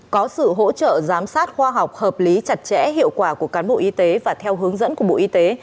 có sự hỗ trợ giám sát khoa học hợp lý chặt chẽ hiệu quả của cán bộ y tế và theo hướng dẫn của bộ y tế